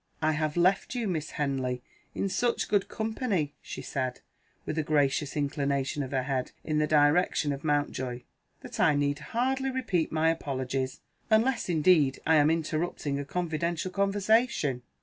"I have left you, Miss Henley, in such good company," she said, with a gracious inclination of her head in the direction of Mountjoy, "that I need hardly repeat my apologies unless, indeed, I am interrupting a confidential conversation."